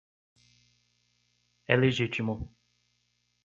É legítimo